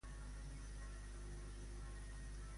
Escriu-me també tres parells de calçotets a la llista "maleta".